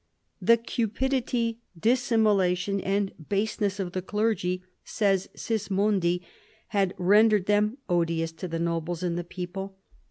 "The cupidity, dissimulation, and baseness of the clergy," says Sismondi, " had rendered them odious to the nobles and the people."